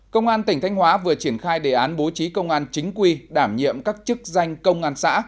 công an tỉnh thanh hóa vừa triển khai đề án bố trí công an chính quy đảm nhiệm các chức danh công an xã